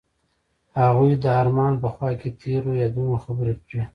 هغوی د آرمان په خوا کې تیرو یادونو خبرې کړې.